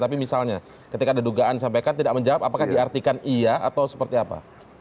tapi misalnya ketika ada dugaan disampaikan tidak menjawab apakah diartikan iya atau seperti apa